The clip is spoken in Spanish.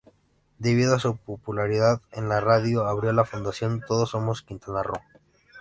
Debido a su popularidad en la radio, abrió la fundación Todos Somos Quintana Roo.